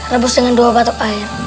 rebus dengan dua batok air